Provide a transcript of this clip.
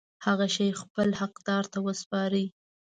هغه شی خپل حقدار ته وسپاري.